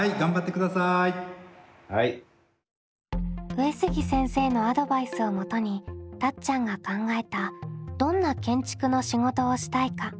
上杉先生のアドバイスをもとにたっちゃんが考えた「どんな建築の仕事をしたいか？」